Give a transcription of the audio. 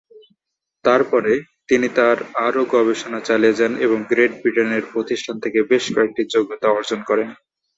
তারপরে, তিনি তার আরও গবেষণা চালিয়ে যান এবং গ্রেট ব্রিটেনের প্রতিষ্ঠান থেকে বেশ কয়েকটি যোগ্যতা অর্জন করেন।